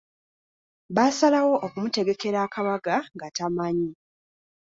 Baasalawo okumutegekera akabaga nga tamanyi.